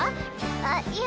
あっいや